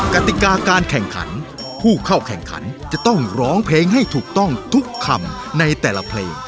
กติกาการแข่งขันผู้เข้าแข่งขันจะต้องร้องเพลงให้ถูกต้องทุกคำในแต่ละเพลง